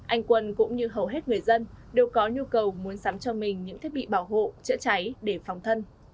anh quân cũng như hầu hết người dân đều có nhu cầu muốn sắm cho mình những thiết bị bảo hộ chữa cháy để phòng thân